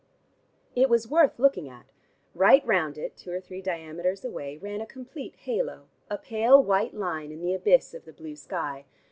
It was worth looking at. Right round it, two or three diameters away, ran a complete halo, a pale white line in the abyss of the blue sky.